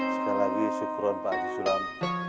sekali lagi syukurkan pak ustaz